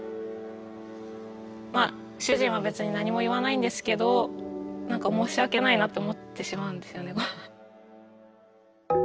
まあ主人は別に何も言わないんですけど何か申し訳ないなって思ってしまうんですよね。